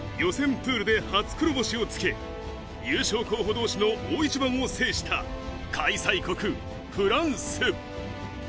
プールで初黒星をつけ、優勝候補同士の大一番を制した開催国フランス。